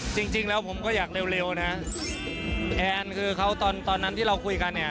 จริงจริงแล้วผมก็อยากเร็วเร็วนะแอนคือเขาตอนตอนนั้นที่เราคุยกันเนี่ย